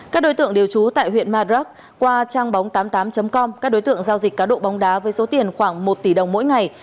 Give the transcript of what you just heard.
các đối tượng đều trú tại huyện madrak qua trang bóng tám mươi tám com các đối tượng giao dịch cá độ bóng đá với số tiền khoảng một tỷ đồng mỗi ngày